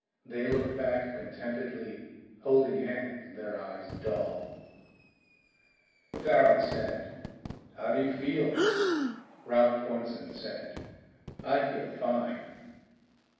They looked back contentedly, holding hands, their eyes dull. Farrel said, "How do you feel?" Ralph Pornsen said, "I feel fine."